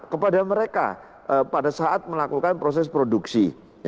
kepada mereka pada saat melakukan proses produksi